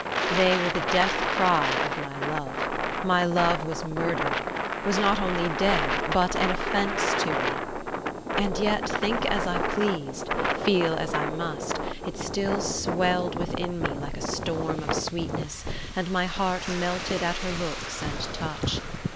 They were the death cry of my love; my love was murdered; was not only dead, but an offence to me; and yet, think as I pleased, feel as I must, it still swelled within me like a storm of sweetness, and my heart melted at her looks and touch.